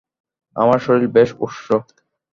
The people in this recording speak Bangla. আমার শরীর বেশ ঊষ্ণ!